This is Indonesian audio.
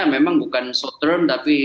memang bukan short term tapi